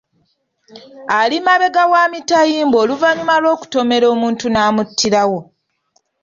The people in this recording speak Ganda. Ali mabega wa mitayimbwa oluvannyuma lw’okutomera omuntu n’amuttirawo.